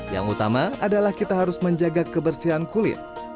yang utama adalah kita harus menjaga kebersihan kulit